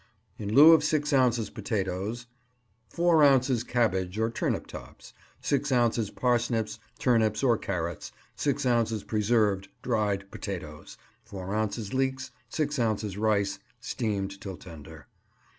In lieu of six ounces potatoes: Four ounces cabbage or turnip tops; six ounces parsnips, turnips, or carrots; six ounces preserved (dried) potatoes; four ounces leeks; six ounces rice (steamed till tender).